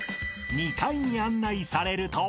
［２階に案内されると］